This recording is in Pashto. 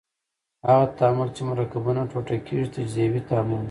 هغه تعامل چې مرکبونه ټوټه کیږي تجزیوي تعامل دی.